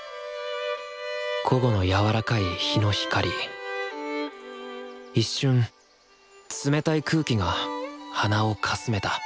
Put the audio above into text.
午後のやわらかい日の光一瞬冷たい空気が鼻をかすめた。